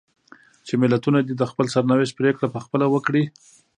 چې ملتونه دې د خپل سرنوشت پرېکړه په خپله وکړي.